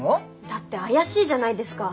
だって怪しいじゃないですか。